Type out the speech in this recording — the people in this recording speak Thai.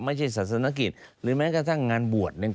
ไม่ใช่ศาสนกิจหรือแม้กระทั่งงานบวชเนี่ย